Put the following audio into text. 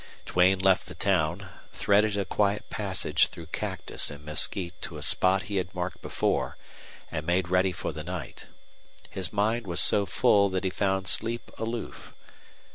Duane left the town, threaded a quiet passage through cactus and mesquite to a spot he had marked before, and made ready for the night. His mind was so full that he found sleep aloof.